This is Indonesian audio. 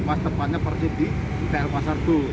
pas tepatnya persis di tl pasar dua